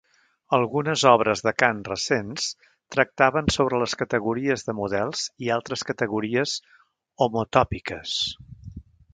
Algunes obres de Kan recents tractaven sobre les categories de models i altres categories homotòpiques.